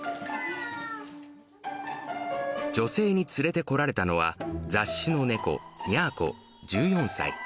女性に連れてこられたのは、雑種の猫、にゃーこ１４歳。